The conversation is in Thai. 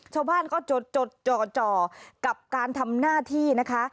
ชาวบ้านก็จดจ่อกับการทำหน้าที่นะคะ